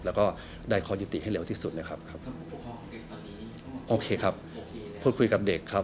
แล้วก็ได้ข้อยุติให้เร็วที่สุดเลยครับครับโอเคครับพูดคุยกับเด็กครับ